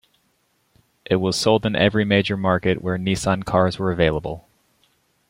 It was sold in every major market where Nissan cars were available.